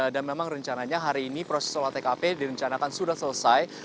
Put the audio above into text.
memang rencananya hari ini proses olah tkp direncanakan sudah selesai